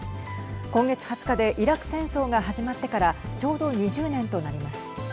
今月２０日でイラク戦争が始まってからちょうど２０年となります。